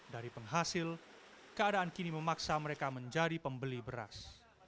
dari penghasil keadaan kini memaksa mereka menjadi pembeli beras